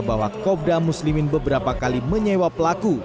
bahwa kobda muslimin beberapa kali menyewa pelaku